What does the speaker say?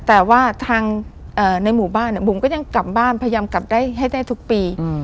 แต่ว่าทางในหมู่บ้านบุ๋มก็ยังกลับบ้านพยายามกลับได้ให้ได้ทุกปี